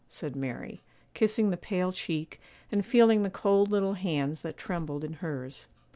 said Mary, kissing the pale cheek and feeling the cold little hands that trembled in hers.